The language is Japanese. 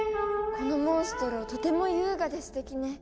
このモンストロとても優雅ですてきね。